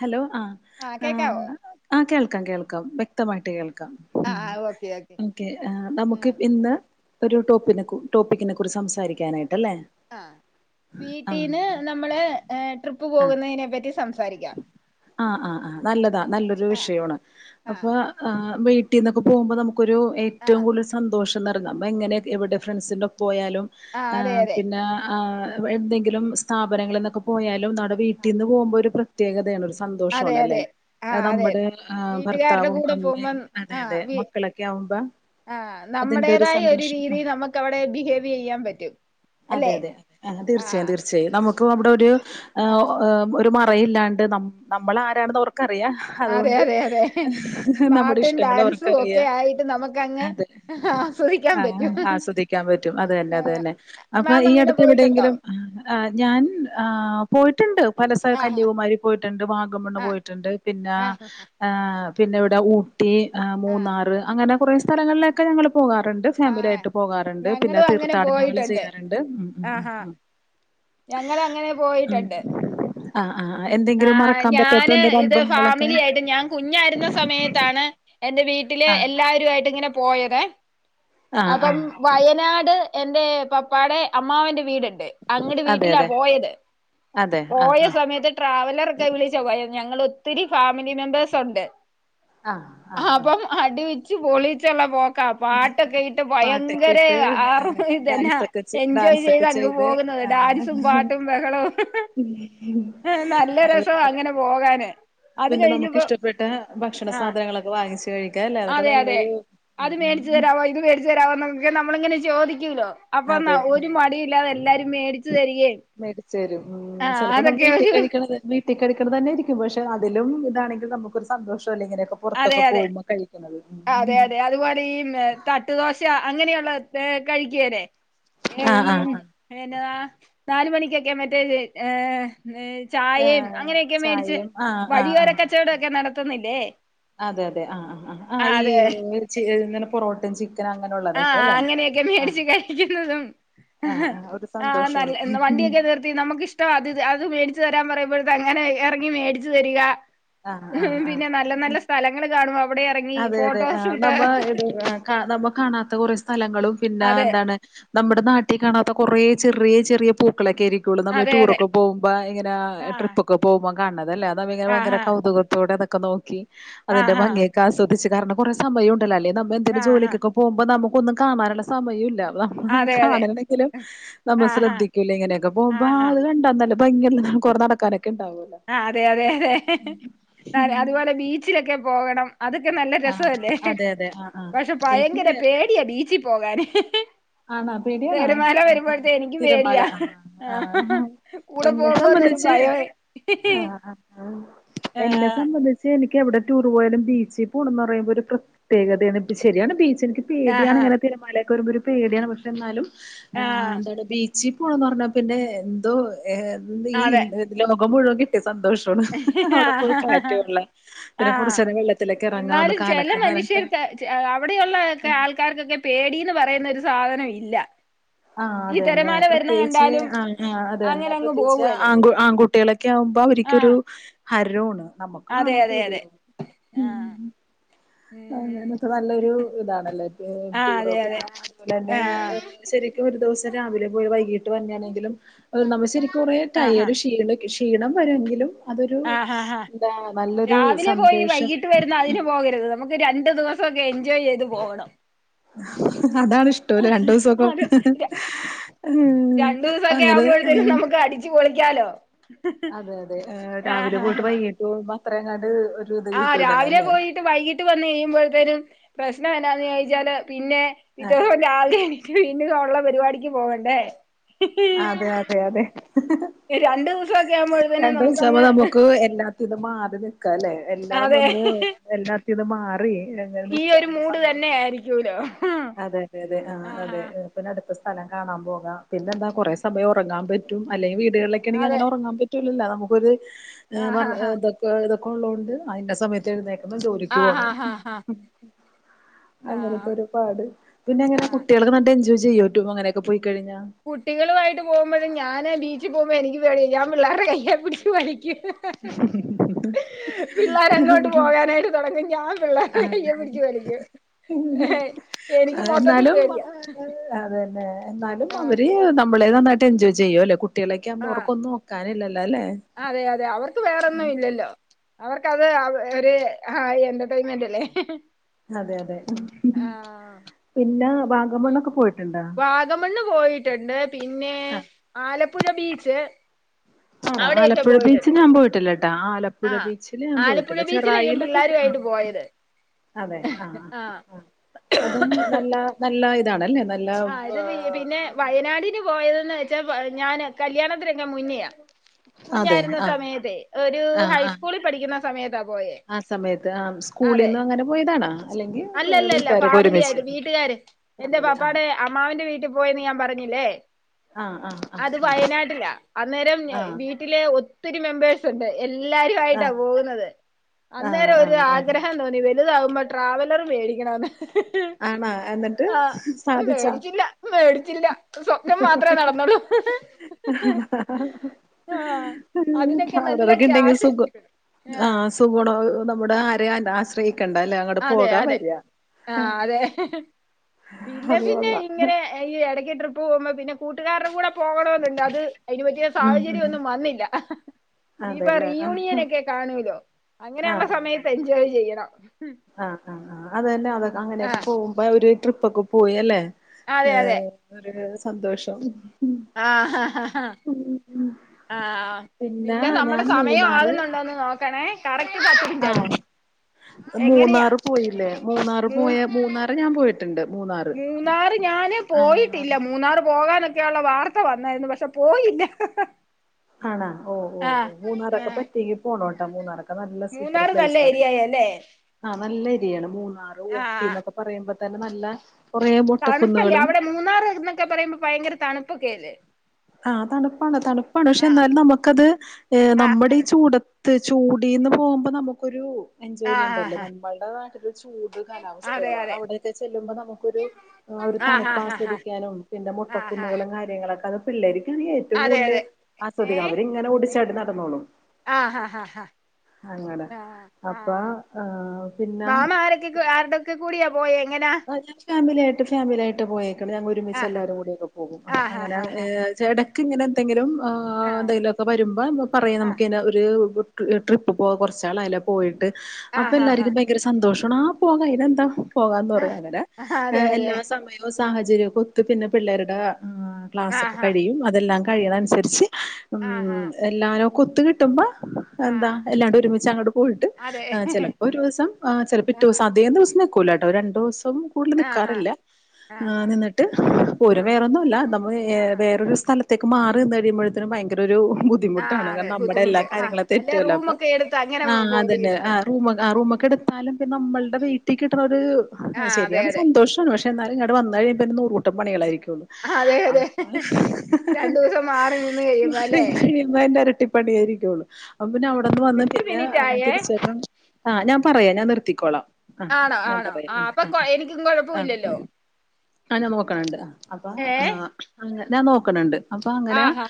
Hello ആ ആഹ് കേക്കാവോ ആ കേൾക്കാം കേൾക്കാം വ്യക്തമായിട്ട് കേൾക്കാം ഉം ആഹ് ആഹ് ഓക്കെ ഓക്കെ നമുക്ക് ആഹ് എന്താ ഒരു ടോപ്പിനെ ടോപ്പിക്കിനെ കുറിച്ച് സംസാരിക്കാനായിട്ട്ല്ലേ ആ വീട്ടിന്ന് നമ്മള് ട്രിപ്പ് ആഹ് പോകുന്നതിനെ പറ്റി സംസാരിക്കാം ആ ആ ആ നല്ലതാ നല്ലൊരു ആഹ് വിഷയാണ് ആഹ് അപ്പൊ ആ വീട്ടിന്നൊക്കെ പോവുമ്പോക്കെ നമുക്കൊരു ഏറ്റവും ആഹ് കൂടുതൽ സന്തോഷം നിറങ്ങ എങ്ങനെ എവിടെ ഫ്രണ്ട്സിന്റെറെ ഒക്കെ പോയാലും ആഹ് അതെ അതെ പിന്നെ ആ എന്തെങ്കിലും സ്ഥാപനങ്ങളിൽന്നൊക്കെ പോയാലും നമുടെ ആ, വീട്ടിൽ നിന്ന് പോകുമ്പോ ഒരു പ്ര പ്രത്യേകതയാണ് ഒരു അതെ സന്തോഷണ് അല്ലേ അതെ ആഹ് അതെ നമ്മുടെ വീട്ടുകാരുടെ ഭർത്താവും കൂടെ പോകുമ്പം അമ്മയും അതെ അതെ മക്കളൊക്കെ ആകുമ്പ ആ നമ്മുടേതായ ഒരു രീതി നമുക്ക് അവിടെ ബിഹേവ് ചെയ്യാൻ പറ്റും അതെ അല്ലെ അതെ ആ തീർച്ചയായും ആഹ് തീർച്ചയായും നമുക്ക് അവിടെ ഒരു ആഹ് ഒരു മറയില്ല നമ്മള ആരാണെന്ന് ഓർക്കറിയാം അതെ അതുകൊണ്ട് അതെ അതെ നമ്മുടെ പാട്ടും ഇഷ്ടങ്ങൾ ഡാൻസും ഒക്കെ ഓർക്കറിയാം ആയിട്ട് നമുക്കങ്ങ് അതെ ആസ്വദിക്കാൻ ആ പറ്റും ആസ്വദിക്കാൻ പറ്റും അത് തന്നെ ആ, അത് തന്നെ അപ്പൊ മാം ഈ അങ്ങനെ അടുത്ത് പോയിട്ടുണ്ടോ എവിടെയെങ്കിലും ആ ഞാൻ പോയിട്ടുണ്ട് പല സ്ഥല ആഹ് കന്യാകുമാരി പോയിട്ടുണ്ട് വാഗംമണ്ണ് ആഹ് പോയിട്ടുണ്ട് പിന്നെ ആഹ് പിന്നെ ഇവിടെ ഉ ട്ടി അ ആഹ് മൂന്നാറ് അങ്ങനെ കുറേ സ്ഥലങ്ങളിലൊക്കെ ഞങ്ങൾ പോകാറുണ്ട് ആഹ് ഫാമിലിആയിട്ട് പോകാറുണ്ട് പിന്നെ ഞങ്ങളും അങ്ങനെ തീർത്ഥാടനങ്ങൾ പോയിട്ടുണ്ട് ചെയ്യാറുണ്ട് ഉം ഉം ഉം ഉം ഞങ്ങള് അങ്ങനെ പോയിട്ടുണ്ട് ആഹ് ആഹ് എന്തെങ്കിലും ആഹ് മറക്കാൻ പറ്റാത്തെ ഞാന് എന്തെലും ഇത് അുഭവങ്ങളൊക്കെ ഫാമിലി ആയിട്ട് ഞാൻ കുഞ്ഞായിരുന്ന സമയത്താണ് എന്റെ വീട്ടില് ആ എല്ലാവരു ആയിട്ട് ഇങ്ങനെ പോയത് ആ ആ അപ്പം വയനാട് എന്റെ പപ്പാടെ അമ്മാവന്റെ വീടുണ്ട് അങ്ങടെ അതെ വീട്ടിലാ അതെ പോയത് അതെ ആ പോയ ആ സമയത്ത് ട്രാവലറക്കെ വിളിച്ചോ പോയെ ഞങ്ങള് ഒത്തിരി ഫാമിലി മെമ്പേഴ്സ് ഉണ്ട് ആ ആ ആ ആപ്പ അടിവിച്ച് പൊളിച്ചുള്ള പോ ക്ക പാട്ടൊക്കെ ഇട്ട് പാട്ടൊക്കെ ഭയങ്കര ഇട്ട് ആർ ഇതന്നാ ഡാൻസൊക്കെ എൻജോയ് ഡാൻസൊക്കെ ചെയ്ത ചെയ്ത് പോകുന്നത് ആഹ് ഡാൻസും പാട്ടും ബഹളവും എഹ് നല്ല രസം അതന്നെ അങ്ങനെ പോകാന് അത് പിന്നെ നമുക്ക് കഴിഞ്ഞപ്പോ ഇഷ്ടപ്പെട്ട ഭക്ഷണ ആ സാധനങ്ങളൊക്കെ വാങ്ങിച്ച് കഴിക്കാ അല്ലെ അതൊക്കെ അതെ അതെ നല്ലൊരു അത് മേടിച്ചു ഉം തരാമോ ഇത് മേടിച്ചു തരാമോ നുക്കെ നമ്മള ഇങ്ങനെ ചോദിക്കൂല്ലോ അപ്പം അതെ ഒരു ഉം. മടി ഇല്ലാതെ എല്ലാരും മേടിച്ചു തരികയും ആഹ് അതൊക് വീട്ടി കളിക്കണത് വീട്ടി കളിക്കണ തന്നെയിരിക്കും പക്ഷെ അതിലും ഇതണെങ്കിൽ നമുക്കൊരു സന്തോഷോല്ലെ ഇങ്ങനൊക്കെ അതെ പൊർത്തൊക്കെ അതെ പോകുമ്പോ കഴിക്ണത് അതെ അതെ അതുപോലെ ഈ തട്ടു ദോശ അങ്ങനെയുള്ള തേ കഴിക്കേല്ലേ ഏ ആഹ് ഈൻ ആഹ് എന്നാ നാല് മണിക്കൊക്കെ മറ്റേ ഏഹ് ന്ന് ആഹ് ചായയും ആഹ് അങ്ങനെയൊക്കെ മേടിച്ച് ചായയും ആഹ് ആഹ് ആഹ് വഴിയോരക്കച്ചവടംക്കെ നടത്തുന്നില്ലേ അതെ അതെ ആഹ് ആഹ് ആഹ് ആ ആഹ് ഈ ഇങ്ങനെ പൊറോട്ട ചി ആഹ് അങ്ങനെയൊക്കെ മേടിച്ചു കഴിക്കുന്നതും ആ ആ ഒരു ആഹ് നൽ സന്തോഷമാണ് വണ്ടിയൊക്കെ നിർ ത്തി നമുക്ക് ഇഷ്ടം അത് അത് മേടിച്ചു തരാൻ പറയുമ്പഴത്തെ അങ്ങനെ ഇറങ്ങി മേടിച്ച് തരിക ആ ആ ഉം ആ പിന്നെ നല്ല നല്ല സ്ഥലങ്ങൾ കാണുമ്പം അതെ അതെ ആഹ് നമ്മ ഇത് നമ്മ കാണാത്ത കുറെ സ്ഥലങ്ങളും പിന്നെ അതെ എന്താണ് നമ്മുടെ നാട്ടി കാണാത്ത കൊറേ ചെറിയ ചെറിയ പൂക്കളൊക്കെ ആയിരി കൂള്ന്നമ്മ അതെ അതെ ടൂറൊക്കെ പോഉമ്പോ ഇങ്ങനെ ആ ട്രിപ്പൊക്കെ പോഉമ്പോ കാൺണതല്ലേ അ ന്ന പിന്നെ ഭയങ്കര ആഹാ കൗതുകത്തോടെ അതൊക്കെ നോക്കി അതിന്റെ ആഹാ ഭംഗി ക്കാസ്വദിച്ച് കാരണം കുറെ സമയം ഉണ്ടല്ലേ അല്ലേ നമ്മ എന്തേലു ആഹാ ആഹാ ജോലിക്കൊക്കെ പോഉമ്പോ നമുക്കൊന്നും കാണാനുള്ള സമയൂല്ല അതെ [unintelligible] അതെ കാണണെങ്കിലും നമ്മൾ ആഹാ ശ്രദ്ധിക്കൂല ഇങ്ങനെയൊക്കെ പോകുമ്പോ ആഹാ അത് കണ്ടന്നല്ല പ്പ [unintelligible] കുറെ നടക്കാനൊക്കെ ണ്ടാവോലോ ആഹ് അതെ അതെ അതെ അതുപോലെ ബീച്ചിലൊക്കെ പോകണം അതൊക്കെ നല്ല ആ രസല്ലേ അതെ അതെ ആ ആ പക്ഷെ ഭയങ്കര എനിക്ക് പേടിയാ ബീച്ചി പോകാന് ആണോ പേടിയാണോ? തെരമാല ആ, വരുമ്പോഴത്തെ എനിക്ക് തിരമാല പേടിയാ ആഹ് കൂടെ എന്നെ പോവുന്നൊരു സംബന്ധിച്ച് ഭയേ ആഹ് ആഹ് എന്നെ സംബന്ധിച്ച് എനിക്ക് എവിടെ ടൂർ പോയാലും ബീച്ച് പോണംന്ന് പറയുമ്പോ ഒരു പ്രത്യേകതയാണ് ബ് ശരിയാണ് ബീച്ച് എനിക്ക് പേടിയാണ് ആഹാ ഇങ്ങനെ തിരുമാലക്ക വരുമ്പ ഒരു പേടിയാണ് പക്ഷെ എന്നാലും ആ ഏന്താണ് ബീ ച്ചിപ്പോണോന്നർഞ്ഞാല് പിന്നെ എന്തോ എ ഈ അതെ ലോകം മുഴുവൻ കിട്ട്യ സന്തോഷ് [unintelligible] ആ അവിടെ പോയി കാറ്റൊള്ള ആ പിന്നെ കുറച്ചേരെ വെള്ളത്തിലൊക്കെ ഇറങ്ങാൻ ഒന്ന് കാലക്കെ നനക്ക എഹ് അവിടെയുള്ളക്കെ ആൾക്കാർക്കൊക്കെ പേടീന്ന് പറയുന്നൊരു സാധനം ഇല്ല അഹ് ആഹ് ഈ അതന്നെ തിരമാല വരുന്ന പ്രത്യേകിച്ച് കണ്ടാലും ആഹ് അഹ് അതന്നെ അങ്ങനെ അങ്ങ് പ്രത്യേകിച്ച് പോവുവല്ലേ ആങ്ക് ആൺകുട്ടികളൊക്കെ ആകുമ്പോ ആ അവർക്കൊരു ഹരോണ് നമ്മുക്ക് അതെ കാണോ അതെ അതെ പേടിയോ ആ ആഹ് ഉം ഞാനക്ക നല്ലൊരു ഇതാണല്ലേ ഇപ്പ ആഹ് ടൂറോ അതെ അതെ പിന്നെ അതുപോലെ തന്നെ ആഹ് ശരിക്കും ഒരു ദിവസം രാവിലെ പോയി വൈകീട്ട് വന്നെയാണെങ്കിലും നമ്മ ശരിക്കും കുറെ ആഹാ ടയേഡ് ഷീണ ക്ഷീണം വരുമെങ്കിലും അതൊരു ആഹാ ഹാ എന്താ നല്ലൊരു സന്തോഷം വുന്ന അതിന് പോകരുത് നമുക്ക് രണ്ടു ദിവസൊക്കെ എൻജോയ് ചെയ്ത് പോകണം അതാണിഷ്ട രണ്ടു ദിവസൊക്കെ അതെ ഉ രണ്ടു ദിവസൊക്കെ അങ്ങനെ ആവുമ്പോഴത്തേനും നമുക്ക് അടിച്ചു പൊളിക്കാലോ അതെ അതെ ആഹ് രാവിലെ പോയിട്ട് ആഹ് വൈകിട്ട് പോക്പോ അത്രേങ്ങാണ്ട് ഒരു ഇത് ആഹ് കിട്ടൂല രാവിലെ നല്ലേ പോയിട്ട് വൈകിട്ട് വന്ന് കഴിയുമ്പോഴേനും പ്രശ്നം എന്ന ചോദിച്ചാല് പിന്നെ ആഹ് രാവിലെ എനിക്ക് വീണ്ട ഉള്ള പരിപാടിക്ക് പോകണ്ടേ അതെ അതെ അതെ രണ്ടു ദിവസൊക്കെ ആവുമ്പോഴത്തേനും രണ്ട് ദിവസാവുമ്പോ നമുക്കങ്ങ് നമുക്ക് എല്ലാ ത്തിത് മാറി നിക്കല്ലേ എല്ലാം അതെ വന്ന് എല്ലാത്തി ഇത് മാറി ഇങ്ങനെ ഈ നിക്ക ഒരു മൂട് തന്നെ സന്തോഷം ആയിരിക്കൂലോ അതെതെ അതെ ആഹ് ആഹാ അതെ പിന്നെ അടുത്ത സ്ഥല കാണൻ പോകുക പിന്നെന്താ കൊറേ സമയം ഉറങ്ങാൻ പറ്റും അല്ലെങ്ക വീടുകളിലൊക്കെ ആണെങ്കിൽ അതെ അങ്ങനെ ഉറങ്ങാൻ പറ്റും പറ്റൂലല നമുക്കൊരു ആഹാ ഹാ ഇതൊ ഇതൊക്കെ ഉള്ളതണ്ട് അതിന്റെ സമയത്ത് ഴുന്നേൽക്കണം ജോലിക്ക് ആഹാ പോണം ഹാ ഹാ അങ്ങനത്തെ ആഹ് ഒരുപാട് പിന്നെ അങ്ങനെ ആഹ് കുട്ടികൾക്ക് നട്ട് എൻജോയ് ചെയ്യോറ്റും അങ്ങനെയൊക്കെ പോയിക്കഴിഞ്ഞാ കുട്ടികളുമായിട്ട് പോകുമ്പോത് ഞാന് ബീച്ചിൽ പോകുമ്പോ എനിക്ക് പേടിയാ ഞാ പിള്ളേരുടെ കയ്യി എ പിടിച് വലികും പിള്ളോരങ്ങോട്ട് പോകാനായിട്ട് തുടക്കം ഞാ പിള്ളേർ കയേ പിടിച്ചു വലിക്കും എനിക്ക് മൊത്തത്തിൽ എന്നാലും പേടിയാ അതന്നെ എന്നാലും ആഹ് അവര് നമ്മളെ നന്നായിട്ട് എൻജോയ് ചെയ്യും അല്ലേ കുട്ടികളൊക്കെ ആമ്പോ ആഹ് അവർക്കൊന്നും നോ കാണില്ലല്ലോ അല്ലേ അതെ അതെ അവർക്ക് വേറെന്നും ഇല്ലല്ലോ അവർക്കത് ഒരു ആ എന്റർടൈൻമെന്റ് അല്ലേ അതെ അതെ ആഹ് പിന്നെ വാഗമണ്ണൊക്കെ പോയിട്ടുണ്ടോ വാഗമണ്ണ് പോയിട്ട് ണ്ട് പിന്നെ ആഹ് ആലപ്പുഴ ബീച്ച് ആഹ് അവിടെയൊക്കെ ആലപ്പുഴ ബീച്ച് പോയിട്ടുണ്ട് ഞാൻ പോയിട്ടില്ലട്ടാ ആലപ്പുഴ ആഹ് ബീച്ചില് ഞാൻ ആലപ്പുഴ പോയിട്ടില്ല ബീച്ചില ഞാൻ ചെറായിലൊക്കെ പിള്ളേരുമായിട്ട് ആഹ് പോയത് അതെ ആ ആഹ് ആ അതും നല്ല നല്ല ഇതാണല്ലേ എല്ല ആഹ് ഇത് പിന്നെ വയനാടിന് പോയതെന്ന് വെച്ചാ, പ ഞാന് കല്യാണത്തിനൊക്കെമുന്നെയാ. അതെ കുഞ്ഞായിരുന്ന ആഹ് സമയത്തെ ഒരു ആഹ് ഹൈസ്കൂളീ പഠിക്കുന്ന സമയത്താ പോയേ. ആഹ് സമയത്ത് അ അതെ സ്കൂളിന്നങ്ങനെ പോയതാണാ? അല്ലെങ്കി, അല്ലല്ലല്ല ഫാമിലി ആയ്ട്ട് വീട്ടുകാര്, എന്റെ ഫാമിലി ആ പാപ്പാടെ അമ്മാവന്റെ വീട്ടി പോയെന്ന് ഞാ പറഞ്ഞില്ലേ, ആ ആ ആ അത് വയനാട്ടില. അന്നേരം ആ വീട്ടിലെ ഒത്തിരി മെമ്പേഴ്സ്, ണ്ട് ആ എല്ലാവരുയായ്ട്ടാ പോവുന്നത്. ആ ആ അന്നേരം ഒരു ആ ആഗ്രഹം തോന്നി വര് ല്താവുമ്പോ ട്രാവലർ മേടിക്കണെന്ന്. ആണാ എന്നട്ട് സാധിച്ചാ? മേടിച്ചില്ല മേടിച്ചില്ല സ്വപ്നം മാത്ര നടന്നൊള്ളു. ആഹ് അതിനൊക്കെ നല്ല അവരതൊക്കെ ഉണ്ടെങ്കി ക്യാഷ് സുഖം ഏ, [unintelligible] നമ്മുടെ ആരയാനാസ്, ക്കണ്ട ലെ അങ്ങട്ട് അതെ പോകാ അതെ വര്യാ. ആ അതെ പിന്നെ അത് പിന്നെ കൊള്ള ഇങ്ങനെ ഈ എടക്ക് ട്രിപ്പ് പോവുമ്പൊ പിന്നെ കൂട്ട്കാര്ടെ കൂട പോകണമെന്ന്ണ്ട് അത് അയ്ന് പറ്റിയ ഉം ഉം സാഹചര്യമൊന്നു വന്നില്ല ഇനിയിപ്പ അതെല്ലേ ആ റിയൂണിയനൊക്കെ കാണൂലോ ആ അങ്ങനെയ്ള്ള ആ സമയത്ത് എൻജോയ് ചെയ്യണം. ആഹ് ആഹ് ആഹ് അതന്നെ അതൊക് ആ അങ്ങനെയൊക്കെ പോകുമ്പ ഒരു ട്രിപ്പൊക്കെ പോയി അല്ലേ അതെ അതെ ഒരോ രോ സന്തോഷം. ആഹ് ആ പിന്നെ നമ്മടെ ഞാൻ സമയം മൂന്നാറ് ആകുന്നുണ്ടോന്ന് നോക്കണേ കറക്റ്റ് സമയം ആ മൂന്നാറ് പോയില്ലേ മൂന്നാറ് മൂ പോയ മൂന്നാറ് ഞാൻ പോയ് ണ്ട്ട്ട് മൂന്നാറ് മൂന്നാറ് ഞാന് ആഹ് പോയിട്ടില്ല മൂന്നാറ് പോകാനൊക്കെ ക്കെയ്ള്ള വാർത്ത വന്നായ്ര്ന്നു പഷെ പോയില്ല ആണാ ഒ ഒ ആ ഓ മൂന്നാറൊക്കെ ആ പറ്റ്യങ്കി പോണോട്ടോ മൂന്നാറൊക്കെ നല്ല സൂപ്പർ മൂന്നാറ് നല്ല പ്ലേസ് ആണ് ഏരിയായല്ലേ ആഹ് നല്ല എരിയാണ് മൂന്നാറ് ഊട്ടി ആഹ് ന്നൊക്കെ പറയുമ്പ തന്നെ നല്ല കൊറേ തണുപ്പല്ലേ മൊട്ടക്കുന്നുകളും അവിടെ മൂന്നാറ് ന്നൊക്കെ പറയുമ്പൊ ഭയങ്കര തണുപ്പൊക്ക ല്ലെ ആഹ് തണുപ്പാണ് തണുപ്പാണ്പക്ഷെ ന്നാലും നമുക്കത് നമ്മുടെ ഈ ആഹ് ചൂട ത്ത് ചൂടിന്ന് പോവ്മ്പൊ നമുക്കൊരു എൻജോയ്മെന്റ്ല്ലേ ആഹ് നമ്മൾടെ നാട്ടില് ചൂട് അതെ കാലാവസ്ഥയല്ല അപ്പ അതെ അവ്ടൊക്കെ ചെല്ലുമ്പൊ നമുക്കൊരു ആ ഒര് ആഹ് ആഹ് ആഹ് തണുപ്പാസ്വദിക്കാനും പിന്നെ ആഹ് മുട്ടക്കുന്നുകളും കാര്യങ്ങളൊക്കെ അത് പിള്ളേര് ക്കാണെങ്കി ഏറ്റവും അതെ കൂട് ല് അതെ ആസ്വദിക്കണം ഏഹ് അവരിങ്ങനെ ഒടിച്ചാടി നടന്നോളും ആഹ് ആഹ് ആഹ് അങ്ങന ആഹ് അപ്പ ആഹ് ഏഹ് പിന്നാ ക്ക കൂടിയാ പോയെ എങ്ങനാ അല്ല ഫാമിലി ആയിട്ട് ഫാമിലി ആയിട്ട് പോയേക്ക്ണ് ഞങ്ങ ഒരുമിച്ച് ആഹ് എല്ലാരും കൂടിയൊക്കെ പോവും ആഹ് അങ്ങന ആഹ് ആഹ് ചടക്ക് ങ്ങനെന്തെങ്കിലും ആ ന്തെയ്ലും പ്പ വരുമ്പ പറയും ആഹ് നമുക്ക്ന്ന ഒരു ട്രിപ്പ് പോവാ കൊറ്ച്ച് നാളായീലെ പോയിട്ട് അപ്പ ആഹ് ആഹ് ആഹ് ആഹ് എല്ലാര്ക്കും ഭയങ്കര സന്തോഷാണ് ആ പോക അയ്നെന്താ പോകാ അങ്ങനെ ആഹ് അതെ അതെ എല്ലാ സമയവും സാഹചര്യ ക്കെ ഒത്ത് പിന്നെ പിള്ളേര് ടെ ആ ക്ലാസൊക്ക ആഹ് കഴിയും അതെല്ലാ ആഹ് കഴിയ്ണ അൻസര്ച്ച് ആഹ് മ് ആഹ് എല്ലാരെ ക്കെ ഒത്ത് കിട്ടുമ്പ എന്താ ആഹ് എല്ലാണ്ട് ഒരുമിച്ചങ്ങണ്ട് പോയ്ട്ട് അതെ ചെൽപൊരൂസം ചെൽപ്പപിറ്റോസം അ ധിക ദിവസം നിക്കൂലാട്ടോ ഒര് രണ്ടൂസം കൂട്തൽ ആഹ് ആഹ് നിക്കാറില്ല ആഹ് നിന്നിട്ട് പോരും. ആഹ് വേറൊന്നല്ല നമ്മൾ ആഹ് വേറൊരു സ്ഥല ത്തേക്ക് മാറിന്ന് കഴിയുമ്പോതിനും ഭയങ്കര ഒരു ബു ആഹ് ദ്ധിമുട്ടാണ് അതെ കാരണം നമ്മുടെല്ലാ ബുദ്ധിമുട്ട് ആഹ് കാര്യങ്ങളൊ അല്ലെ തെറ്റോല്ലൊ അപ്പ റൂമൊക്കെ എടുത്ത് അങ്ങനെ ആഹ് അതന്നെ പോയിരിക്കണം ആഹ് റൂ റൂമൊക്കെ എട് ത്താലും പിന്നമ്മൾടെ വീട്ടീ കിട്ട്ണൊര് ആ ആഹ് അതെ ശരിയാണ് അതെ സന്തോഷാണ് പക്ഷെ എന്നാലും ഇങ്ങട് വന്നെയിമ്പൊ നൂറൂട്ടം പണികളായിരിക്കുള്ളൂ ആഹ് അതെ അതെ അപ്പ മാറി രണ്ടു ദിവസം മാറി നിന്ന് കഴിയുമ്പോ അല്ലെ നിന്ന് കഴിയുന്നെന്റെരട്ടിപ പണിയായിരിക്കുള്ളൂ അപ്പ പിന്നെ അവിടെന്ന് വന്ന് എട്ട് പിന്നെ മിനിറ്റ് ആയേ തിരിച്ചേക്കാം ആ ഞാൻ പറയാം ഞാൻ നിർത്തിക്കോളാം ആ ഞാൻ പറയാ ആ അപ്പേ എനിക്കും കുഴപ്പമില്ലല്ലോ ആ ഞാൻ നോക്ക്ണ് ണ്ട് അപ്പേ ആ ഏഹ് ഞാൻ നോക്ക്ണ് ണ്ട് അപ്പേ അങ്ങനെ ആഹാ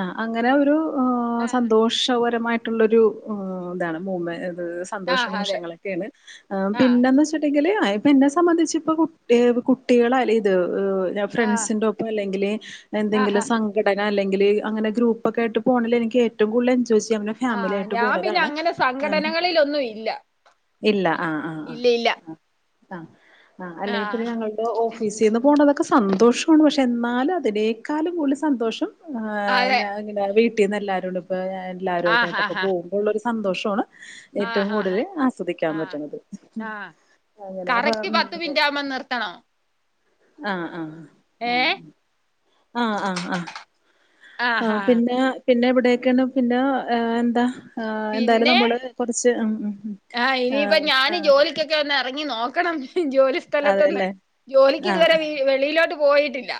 ആ അങ്ങനെ ഒരു ആഹ് സന്തോഷപരമായിട്ട് ട്ട്ള്ള രു ഇതാണ് മൂ മെ ഇത് സന്തോഷ ആഹ് അതെ നിമിഷങ്ങളൊക്കെയാണ് ആഹ് പിന്നെന്ന് വെച്ച ട്ടങ്കില് പ്പം എന്നെ സംബന്ധിച്ച് പ്പം കുട്ടി കുട്ടികളല്ല ഇത് ലവ്വ് ആഹ് ഫ്രണ്ട്സിന്റെ ഒപ്പം അല്ലെങ്കില് എന്തെങ്കിലും ആഹാ സംഘ ഘടന അല്ലങ്കിൽ അങ്ങനെ ഗ്രൂപ്പൊക്കെ ആയിട്ട് പോണേല് എനിക്ക് ഏറ്റവും കൂടുതൽ എൻജോയ് ചെയ്യാന്നെ ഫാമിലി ആഹ് ആയിട്ട് ഞാൻ പിന്നെ പോണതാണ്. അങ്ങനെ സംഘടനകളിലൊന്നും ഇല്ല ഇല്ല ആ ആ ആ. ഇല്ല ഇല്ല അ. ആ. അല്ലെങ്കി പിന്നെ ആഹ് ഞങ്ങള് ഓഫീസീന്ന് പോണതൊക്കെ സന്തോഷാണ് പക്ഷെ ഇന്നാലും അതിനേക്കാളും കൂടുതൽ സന്തോഷം. ആ അതെ അങ്ങനെ വീട്ടീന്ന് എല്ലാരോണ്ടം ആഹ് എല്ലാരുക്കയായിട്ടൊക്കെ ആഹ് പോകും. ഉള്ളരു സന്തോഷ്വാണ് ഏറ്റവും ആഹ് ആഹ് കൂടുതൽ ആസ്വദിക്കാൻ പറ്റുന്നത്. കറക്ക്റ്റ് പത്ത് മിൻറ്റാവുമ്പം നിർത്തണം. അ. ആഹ്. ഏഹ് ആഹ്. ആഹ്. ആഹ്. അ ആ ആഹ് ആഹ് പിന്നെ പിന്നെ ഇവിടെ ഒക്കേണ് പിന്നെ എന്ത. ആഹ് എന്തായാലും പിന്നെ നമ്മള് കുറച്ച് ഉം ഉം ആഹ് ഇനിയിപ്പ ഞാന് ആഹ്. ജോലിക്കൊക്കെ ഒന്ന് എറങ്ങി നോക്കണം ജോലി സ്ഥലത്ത്ന്ന് അതെല്ലേ ജോലിക്ക് ഇതുവരെ ആഹ് വീ വെളിയിലോട്ട് പോയിട്ടില്ല.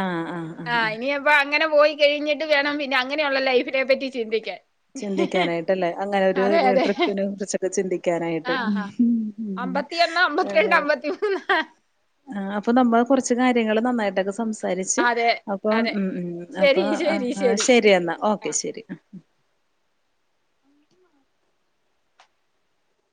ആഹ് ആഹ് ആഹ് ആഹ് അപ്പേ അങ്ങനെ പോയി കഴിഞ്ഞിട്ട് വേണം. പിന്നെ അങ്ങനെയുള്ള ലൈഫിനെ പറ്റി ചിന്തിക്കാൻ. ചിന്തിക്കാനായിട്ടലെ. അങ്ങനെ ഒരു അതെ അതെ ട്രിപ്പിനെ കുറിച്ചൊക്കെ ചിന്തിക്കാനായിട്ട്. ഉം. ഉം അമ്പത്തി ഒന്ന്, അമ്പത്തിരണ്ട്, അമ്പത്തിമൂന്ന്. ആ അപ്പേ നമ്മൾ കുറച്ച് കാര്യങ്ങള് നന്നായിട്ടൊക്കെ സംസ സംസരിച്ച് അതെ അപ്പം അതെ ഉം ഉം. ശരി അപ്പം ശരി ശരി ശെരി ഇന്നാ ആ ഓക്കെ ശെരി ഉം ഉം.